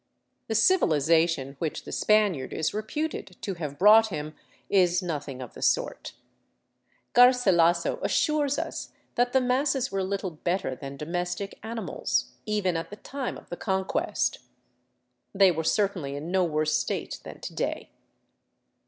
The civilization which the Spaniard is reputed to have brought him is nothing of the sort. Garsilaso assures us that the masses were little better than domestic animals, even at the time of the Conquest. They were certainly in no worse state than to day.